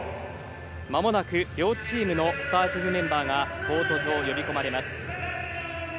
まもなく両チームのスターティングメンバーがコート上、呼び込まれます。